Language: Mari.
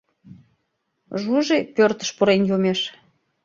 Жужи пӧртыш пурен йомеш.